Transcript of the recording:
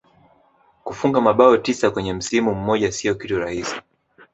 kufunga mabao tisa kwenye msimu mmoja sio kitu rahisi